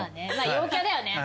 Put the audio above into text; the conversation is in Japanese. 陽キャだよね。